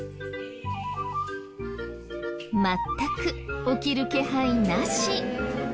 全く起きる気配なし。